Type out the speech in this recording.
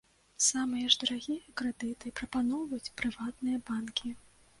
Самыя ж дарагія крэдыты прапаноўваюць прыватныя банкі.